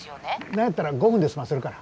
何やったら５分で済ませるから。